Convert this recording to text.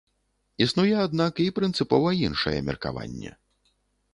Існуе, аднак, і прынцыпова іншае меркаванне.